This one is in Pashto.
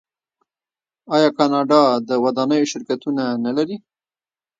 آیا کاناډا د ودانیو شرکتونه نلري؟